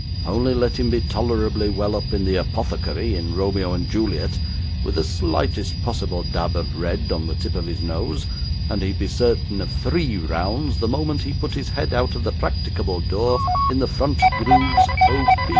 Only let him be tolerably well up in the Apothecary in Romeo and Juliet, with the slightest possible dab of red on the tip of his nose, and he'd be certain of three rounds the moment he put his head out of the practicable door in the front grooves O.